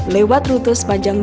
lewat rutus panjang dua puluh satu km